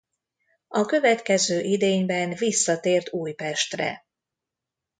A következő idényben visszatért Újpestre.